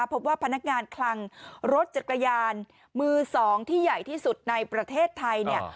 พบว่าพนักงานคลังรถจักรยานมือสองที่ใหญ่ที่สุดในประเทศไทยเนี่ย